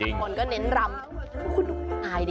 บางคนก็เน้นลำ